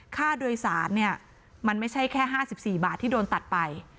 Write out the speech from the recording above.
ค่าโดยสารเนี่ยมันไม่ใช่แค่๕๔บาทที่โดนตัดไป